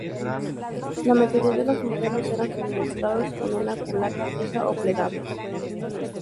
La mayoría de los modelos eran suministrados con una culata fija o plegable.